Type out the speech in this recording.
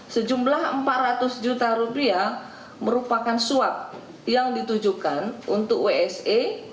sejumlah rp empat ratus juta rupiah merupakan suap yang ditujukan untuk wse